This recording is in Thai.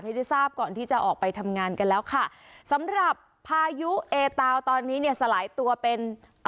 ที่จะทราบก่อนที่จะออกไปทำงาน